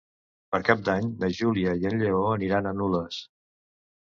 Per Cap d'Any na Júlia i en Lleó aniran a Nules.